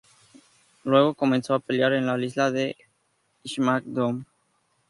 Luego comenzó a pelear en la lista de SmackDown!.